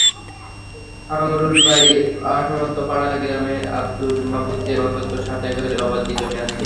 আমরুলবাড়ি আসমতপাড়া গ্রামের আবদুল মাবুদের অন্তত সাত একর আবাদি জমি আছে।